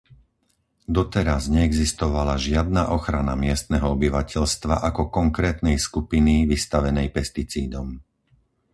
Doteraz neexistovala žiadna ochrana miestneho obyvateľstva ako konkrétnej skupiny vystavenej pesticídom.